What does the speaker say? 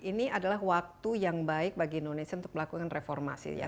ini adalah waktu yang baik bagi indonesia untuk melakukan reformasi ya